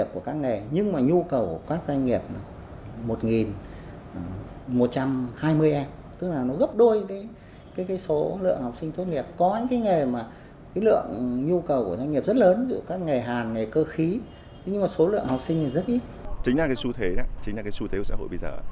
chính là cái xu thế đó chính là cái xu thế của xã hội bây giờ